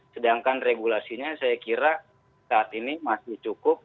sedangkan regulasinya saya kira saat ini masih cukup